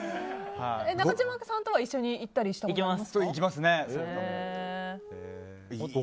中島さんとは一緒に行ったりしますか？